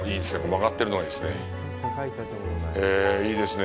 曲がってるのがいいですね。